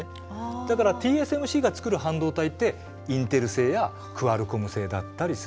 だからＴＳＭＣがつくる半導体ってインテル製やクアルコム製だったりする。